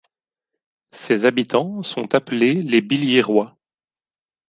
Ses habitants sont appelés les Billiérois.